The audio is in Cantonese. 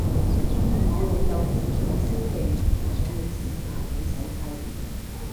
我老友煮餸超勁，我想你試下佢手勢